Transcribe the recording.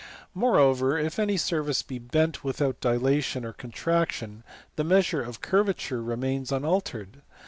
Moreover, if any surface be bent without dilation or contraction, the measure of curvature remains unaltered.